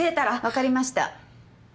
分かりました。